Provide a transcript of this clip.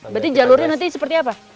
berarti jalurnya nanti seperti apa